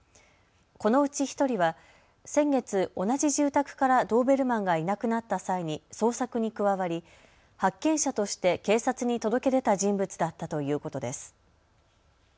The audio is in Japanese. このうち１人は先月、同じ住宅からドーベルマンがいなくなった際に捜索に加わり発見者として警察に届け出た人物だったということです。